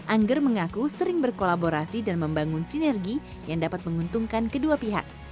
angger mengaku sering berkolaborasi dan membangun sinergi yang dapat menguntungkan kedua pihak